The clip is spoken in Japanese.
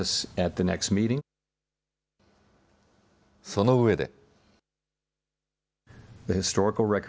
その上で。